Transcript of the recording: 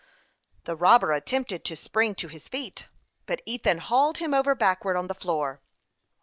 The robber attempted to spring to his feet, but Ethan hauled him over backwards on the floor.